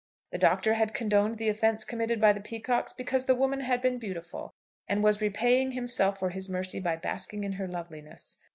The Doctor had condoned the offence committed by the Peacockes because the woman had been beautiful, and was repaying himself for his mercy by basking in her loveliness.